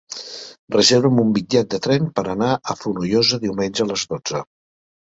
Reserva'm un bitllet de tren per anar a Fonollosa diumenge a les dotze.